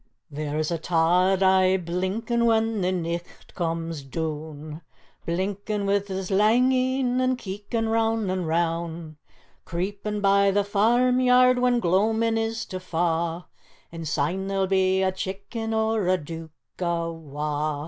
"There's a tod aye blinkin' when the nicht comes doon, Blinkin' wi' his lang een, and keekin' round an' roun', Creepin' by the farm yaird when gloamin' is to fa', And syne there'll be a chicken or a deuk awa'.